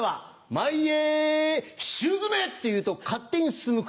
「前へシューズめ！」って言うと勝手に進む靴。